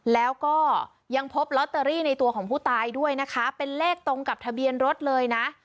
แล้วก็ยังพบลอตเตอรี่ในตัวของผู้ตายด้วยนะคะเป็นเลขตรงกับทะเบียนรถเลยนะ